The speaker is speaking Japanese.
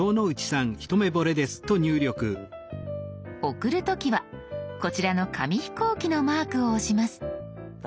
送る時はこちらの紙飛行機のマークを押します。